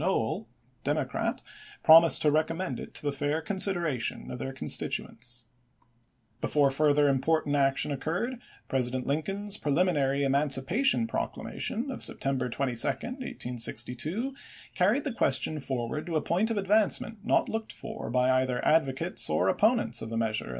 Noell, Democrat, promised to recommend it to the fair consideration of their constituents. Before further important action occurred, Presi dent Lincoln's preliminary emancipation proclama tion of September 22, 1862, carried the question forward to a point of advancement not looked for by either advocates or opponents of the measure in 394 ABRAHAM LINCOLN 1862.